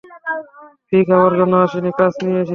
Free খাবার জন্য আসিনি, কাজ নিয়ে এসেছি।